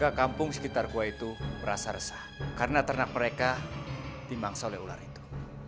warga kampung sekitar gua itu merasa resah karena ternak mereka dimangsa oleh ular itu